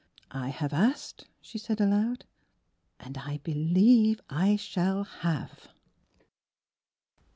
'*■ I have asked," she said aloud, "and I believe I shall have."